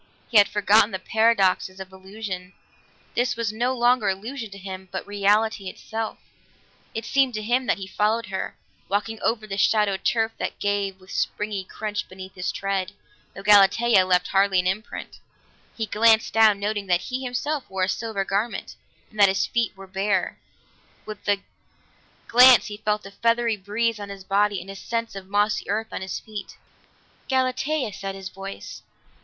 He had forgotten the paradoxes of illusion; this was no longer illusion to him, but reality itself. It seemed to him that he followed her, walking over the shadowed turf that gave with springy crunch beneath his tread, though Galatea left hardly an imprint. He glanced down, noting that he himself wore a silver garment, and that his feet were bare; with the glance he felt a feathery breeze on his body and a sense of mossy earth on his feet. "Galatea," said his voice.